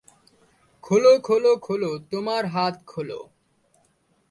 খোলো, খোলো, খোলো, তোমার হাত খোলো।